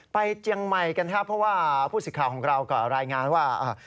เจียงใหม่กันครับเพราะว่าผู้สิทธิ์ข่าวของเราก็รายงานว่า